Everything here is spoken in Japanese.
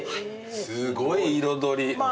すごい彩り。